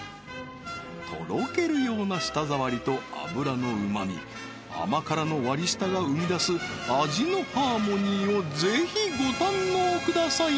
とろけるような舌触りと脂のうまみ甘辛の割り下が生み出す味のハーモニーをぜひご堪能ください